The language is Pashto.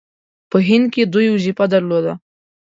په هند کې دوی وظیفه درلوده.